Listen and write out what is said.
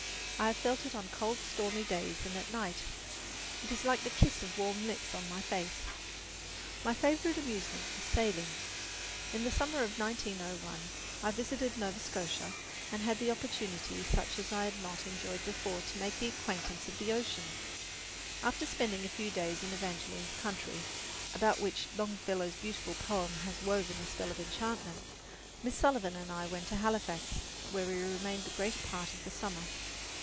I have felt it on cold, stormy days and at night. It is like the kiss of warm lips on my face. My favourite amusement is sailing. In the summer of 1901 I visited Nova Scotia, and had opportunities such as I had not enjoyed before to make the acquaintance of the ocean. After spending a few days in Evangeline's country, about which Longfellow's beautiful poem has woven a spell of enchantment, Miss Sullivan and I went to Halifax, where we remained the greater part of the summer.